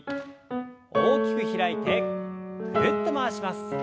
大きく開いてぐるっと回します。